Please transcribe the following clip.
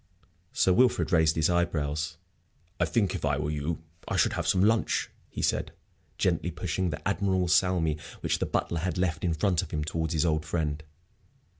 Sir Wilfrid raised his eyebrows. "I think, if I were you, I should have some lunch," he said, gently pushing the admirable salmi which the butler had left in front of him towards his old friend.